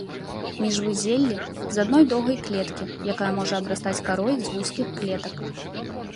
Міжвузеллі з адной доўгай клеткі, якая можа абрастаць карой з вузкіх клетак.